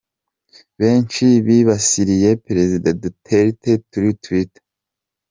Benshi bibasiriye perezida Duterte kuri Twitter:.